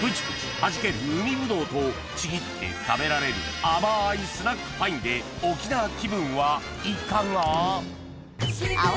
弾ける海ぶどうとちぎって食べられる甘いスナックパインで沖縄気分はいかが？